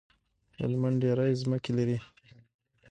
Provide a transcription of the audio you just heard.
هلمند ډيری مځکی لری